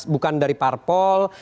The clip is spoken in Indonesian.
bukan dari parpol